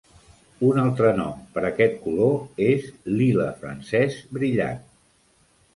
Un altre nom per aquest color és lila francès brillant.